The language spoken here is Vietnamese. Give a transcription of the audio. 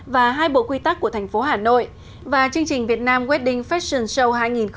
và hai bộ quy tắc của thành phố hà nội và chương trình việt nam westing fashion show hai nghìn một mươi chín